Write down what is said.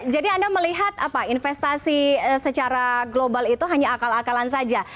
anda melihat apa investasi secara global itu hanya akal akalan saja